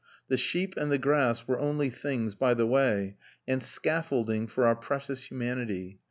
The sheep and the grass were only things by the way and scaffolding for our precious humanity.